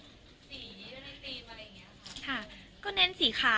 สีอะไรติมอะไรอย่างนี้ค่ะ